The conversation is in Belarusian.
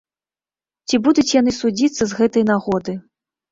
Ці будуць яны судзіцца з гэтай нагоды?